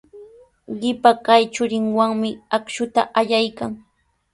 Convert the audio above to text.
Qipa kaq churinwanmi akshuta allaykan.